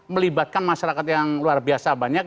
melibatkan masyarakat yang luar biasa banyak